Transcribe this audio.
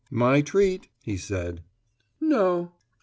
"My treat," he said. "No."